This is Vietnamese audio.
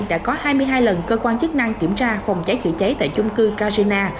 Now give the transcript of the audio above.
đã có hai mươi hai lần cơ quan chức năng kiểm tra phòng cháy chữa cháy tại chung cư carina